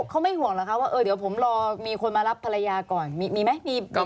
เขาไม่ห่วงเหรอคะว่าเดี๋ยวผมรอมีคนมารับภรรยาก่อนมีไหม